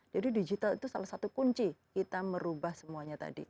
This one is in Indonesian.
jadi digital itu salah satu kunci kita merubah semuanya tadi